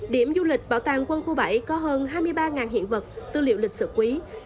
điểm du lịch bảo tàng quân khu bảy có hơn hai mươi ba hiện vật tư liệu lịch sử quý